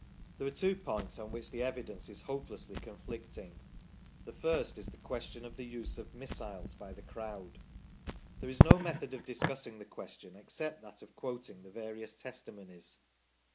There are two points on which the evidence is hopelessly conflict ing : the first is the question of the use of missiles by the crowd. 3 34 THE STORY OF PETERLOO There is no method of discussing the question except that of quoting the various testimonies.